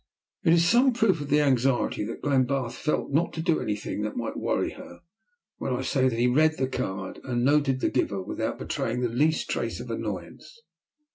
It is some proof of the anxiety that Glenbarth felt not to do anything that might worry her, when I say that he read the card and noted the giver without betraying the least trace of annoyance.